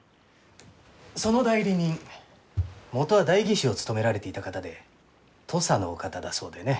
その代理人元は代議士を務められていた方で土佐のお方だそうでね。